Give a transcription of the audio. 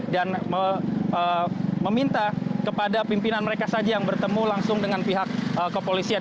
dan meminta kepada pimpinan mereka saja yang bertemu langsung dengan pihak kepolisian